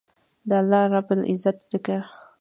د الله رب العزت ذکر